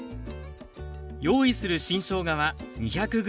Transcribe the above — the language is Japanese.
用意する新しょうがは２００ｇ。